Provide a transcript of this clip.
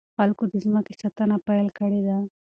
خلکو د ځمکې ساتنه پيل کړې ده.